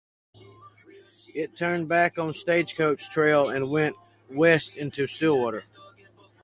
It turned back on Stagecoach Trail and went west into Stillwater.